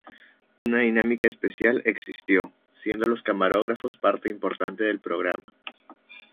Una dinámica especial existió; siendo los camarógrafos parte importante del programa.